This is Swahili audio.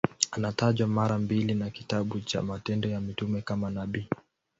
Anatajwa mara mbili na kitabu cha Matendo ya Mitume kama nabii.